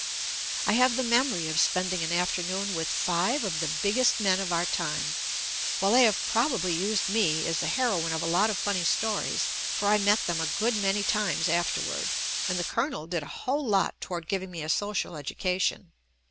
I have the memory of spending an after noon with five of the biggest men of our time, while they have probably used me as the hero ine of a lot of funny stories, for I met them a good many times afterward, and the Colonel did a whole lot toward giving me a social edu cation.